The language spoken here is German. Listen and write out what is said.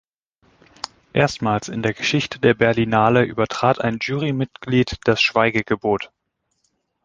Erstmals in der Geschichte der Berlinale übertrat ein Jurymitglied das Schweigegebot.